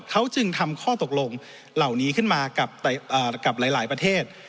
เขาจึงทำข้อตกลงเหล่านี้ขึ้นมากับหลายประเทศ